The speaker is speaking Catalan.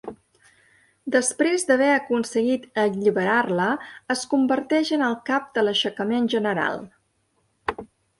Després d'haver aconseguit alliberar-la, es converteix en el cap de l'aixecament general.